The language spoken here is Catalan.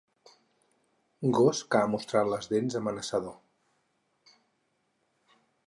Gos que ha mostrat les dents amenaçador.